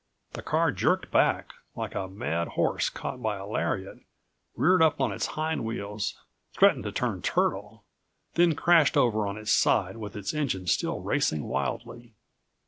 The car, jerked back like a mad horse caught by a lariat, reared up on its hind wheels, threatened to turn turtle, then crashed over on its side with its engine still racing wildly.